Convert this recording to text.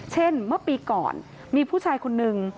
เมื่อปีก่อนมีผู้ชายคนนึง